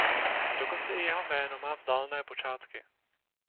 Dokonce i jeho jméno má vzdálené počátky.